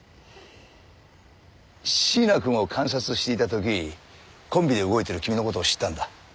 椎名くんを監察していた時コンビで動いてる君の事を知ったんだ。